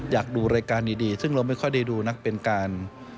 อยากดูรายการดีซึ่งเราไม่ค่อยได้ดูนะเป็นการ